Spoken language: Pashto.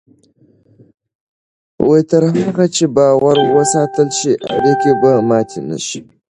تر هغه چې باور وساتل شي، اړیکې به ماتې نه شي.